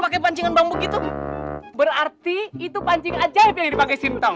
kan pancingan bangbuk itu berarti itu pancing ajaib yang dipake simtong